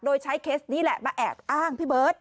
โดยใช้เคสนี้แหละมาแอบอ้างพี่เบิร์ต